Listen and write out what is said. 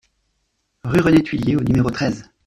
Rue René Thuillier au numéro treize